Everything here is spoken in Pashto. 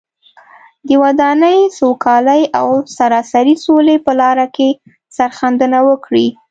د ودانۍ، سوکالۍ او سراسري سولې په لاره کې سرښندنه وکړي.